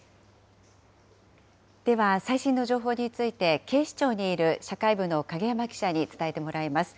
では、最新の情報について、警視庁にいる社会部の影山記者に伝えてもらいます。